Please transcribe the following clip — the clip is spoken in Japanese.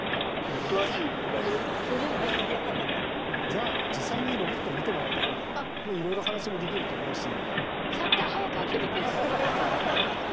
じゃあ実際にロボットを見てもらった方がいろいろ話もできると思うし。